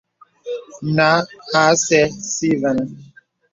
Nǎ à sɛ̀ɛ̀ si və̀nə̀.